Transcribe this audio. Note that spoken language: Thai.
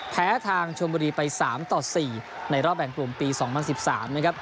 แพ้ทางชมบุรีไป๓ต่อ๔ในรอบแบ่งกลุ่มปี๒๐๑๓นะครับ